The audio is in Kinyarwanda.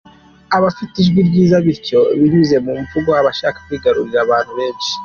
Aba fite ijwi ryiza , bityo binyuze mu mvugo abasha kwigarurira abantu benshi.